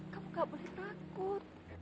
kamu gak boleh takut